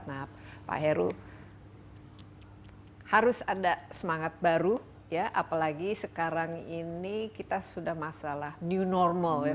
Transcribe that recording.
nah pak heru harus ada semangat baru ya apalagi sekarang ini kita sudah masalah new normal ya